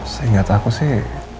sehingga takut sih